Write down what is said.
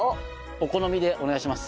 お好みでお願いします。